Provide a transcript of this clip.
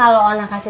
roney apa sih